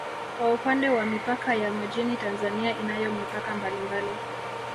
Kwa upande wa mipaka ya majini Tanzania inayo mipaka mbalimbali